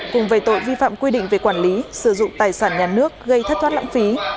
cùng về tội vi phạm quy định về quản lý sử dụng tài sản nhà nước gây thất thoát lãng phí